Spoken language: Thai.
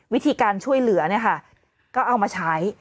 วิธีการช่วยเหลือเนี่ยค่ะก็เอามาใช้